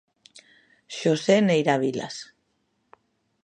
Xosé Neira Vilas.